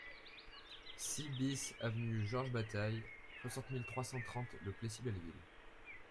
six BIS avenue Georges Bataille, soixante mille trois cent trente Le Plessis-Belleville